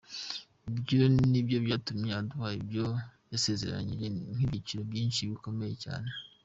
Ibyo ni byo byatumye aduha ibyo yasezeranije by'igiciro cyinshi, bikomeye cyane.